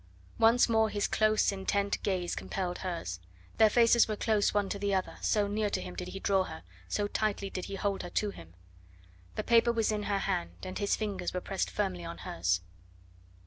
Once more his close, intent gaze compelled hers; their faces were close one to the other, so near to him did he draw her, so tightly did he hold her to him. The paper was in her hand and his fingers were pressed firmly on hers.